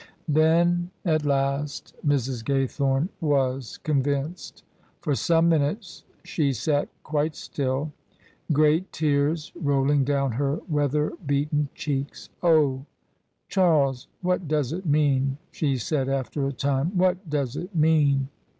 Then at last Mrs. Gaythome was convinced. For some minutes she sat quite still, great tears rolling down her weather beaten cheeks. " Oh! Charles, what does it mean? " she said, after a time: " What does it mean?